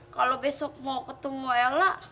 kalau besok mau ketemu ella